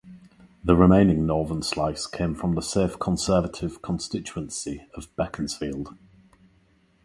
The remaining northern slice came from the safe Conservative constituency of Beaconsfield.